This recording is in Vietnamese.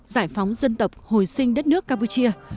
giải phóng dân tập hồi sinh đất nước campuchia